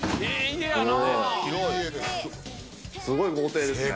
すごい豪邸ですね！